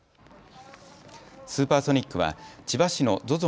スーパーソニックは千葉市のＺＯＺＯ